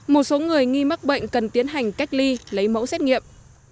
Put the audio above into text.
một số người nghi mắc bệnh cần tiến hành cách ly lấy mẫu xét nghiệm